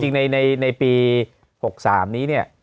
จริงในปี๖๓นี้เนี่ย